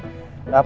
gapapa tuh dia mau